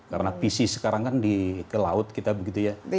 karena pc sekarang kan ke laut kita begitu ya